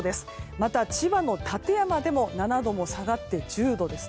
また千葉の館山でも７度も下がって１０度。